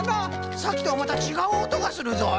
さっきとはまたちがうおとがするぞい。